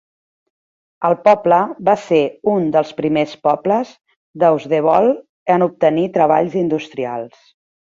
El poble va ser un dels primers pobles d'Austevoll en obtenir treballs industrials.